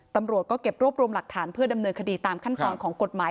ตำรวจก็เก็บรวบรวมหลักฐานเพื่อดำเนินคดีตามขั้นตอนของกฎหมาย